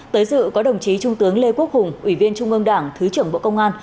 tới dự có đồng chí trung tướng lê quốc hùng ủy viên trung ương đảng thứ trưởng bộ công an